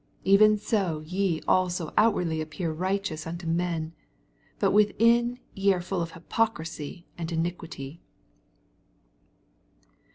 28 Even so ye also outwardly ap pear righteous unto men, but within ye are tuU of hypocrisy and iniquity.